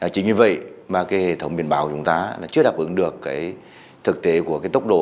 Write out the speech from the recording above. chỉ như vậy mà cái hệ thống biển báo của chúng ta là chưa đáp ứng được cái thực tế của cái tốc độ